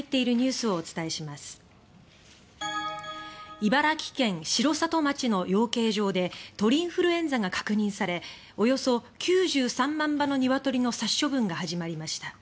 茨城県城里町の養鶏場で鳥インフルエンザが確認されおよそ９３万羽のニワトリの殺処分が始まりました。